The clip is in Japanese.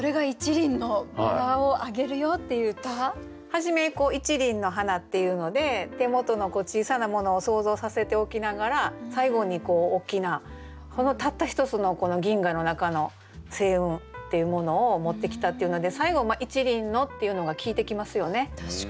初めに「一輪の花」っていうので手元の小さなものを想像させておきながら最後に大きなたった一つのこの銀河の中の星雲っていうものを持ってきたっていうので最後「一輪の」っていうのが効いてきますよね。